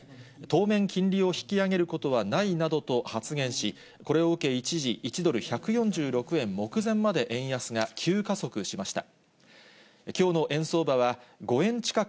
当面、金利を引き上げることはないなどと発言し、これを受け一時、１ドル１４６円目前まで円安が急加速しました。